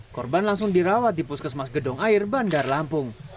korban langsung dirawat di puskesmas gedong air bandar lampung